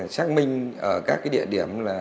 xác minh ở các cái địa điểm là